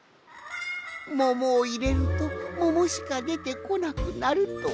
ももをいれるとももしかでてこなくなるとは。